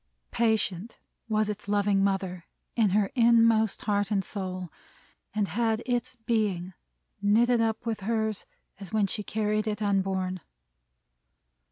Patient! Was its loving mother in her inmost heart and soul, and had its Being knitted up with hers as when she carried it unborn.